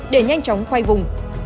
để nhanh chóng khoay vùng